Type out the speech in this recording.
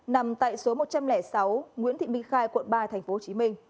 nằm tại số một trăm linh sáu nguyễn thị minh khai quận ba tp hcm